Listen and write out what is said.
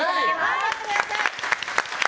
頑張ってください！